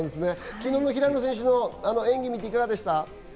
昨日の平野選手の演技を見ていかがでしたか？